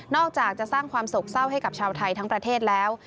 อกจากจะสร้างความโศกเศร้าให้กับชาวไทยทั้งประเทศแล้ว